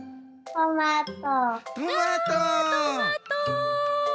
トマト！